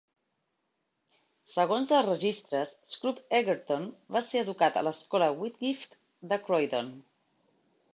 Segons els registres, Scroop Egerton va ser educat a l'escola Whitgift de Croydon.